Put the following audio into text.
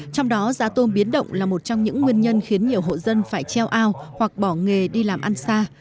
trong đó giá tôm biến động là một trong những nguyên nhân khiến nhiều hộ dân phải treo ao hoặc bỏ nghề đi làm ăn xa